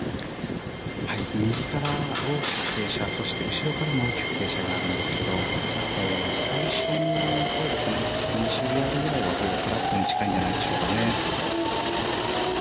右から大きく傾斜そして、後ろからも大きく傾斜があるんですが最初の２０ヤードぐらいはほぼフラットに近いんじゃないでしょうか。